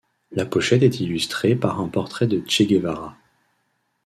La pochette est illustrée par un portrait de Che Guevara.